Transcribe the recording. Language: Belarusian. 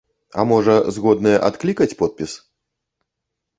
А можа, згодныя адклікаць подпіс?